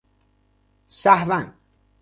سهواً